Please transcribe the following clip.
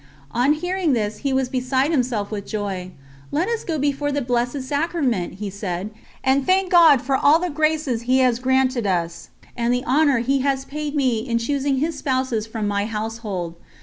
On hearing this he was beside himself with joy: "Let us go before the Blessed Sacrament," he said, "and thank God for all the graces He has granted us and the honour He has paid me in choosing His Spouses from my household.